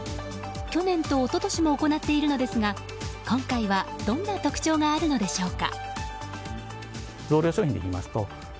去年と一昨年も行っているのですが今回はどんな特徴があるのでしょうか。